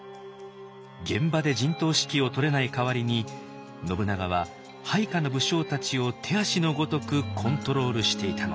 現場で陣頭指揮をとれない代わりに信長は配下の武将たちを手足のごとくコントロールしていたのです。